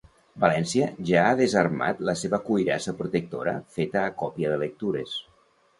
València ja ha desarmat la seva cuirassa protectora feta a còpia de lectures.